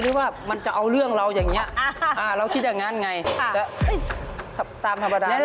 หรือว่ามันจะเอาเรื่องเราอย่างนี้